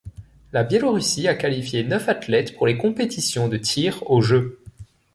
La Biélorussie a qualifié neuf athlètes pour les compétitions de tir aux Jeux.